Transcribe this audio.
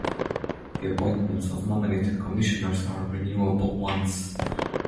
The appointments of nominated Commissioners are renewable once.